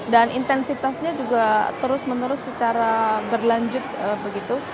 dan intensitasnya juga terus menerus secara berlanjut begitu